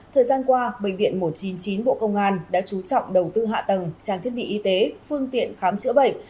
thời gian qua bệnh viện một trăm chín mươi chín bộ công an đã chú trọng đầu tư hạ tầng trang thiết bị y tế phương tiện khám chữa bệnh